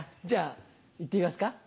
じゃあ行ってみますか？